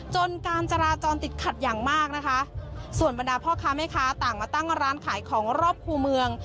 การจราจรติดขัดอย่างมากนะคะส่วนบรรดาพ่อค้าแม่ค้าต่างมาตั้งร้านขายของรอบคู่เมือง